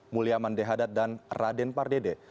mulya mandehadat dan raden pardede